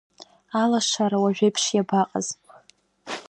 Алашара уажәеиԥш иабаҟаз!